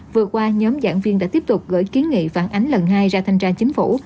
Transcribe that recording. vừa qua nhóm giảng viên đã tiếp tục gửi kiến nghị phản ánh lần hai ra thanh tra chính phủ